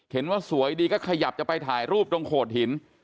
เห็นว่าสวยดีก็ขยับจะไปถ่ายรูปตรงโขดหิน